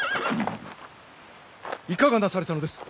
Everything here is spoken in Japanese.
いかがなされたのです？